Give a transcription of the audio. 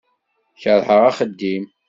Keṛheɣ axeddim.